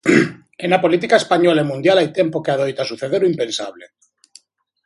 E na política española e mundial hai tempo que adoita suceder o impensable.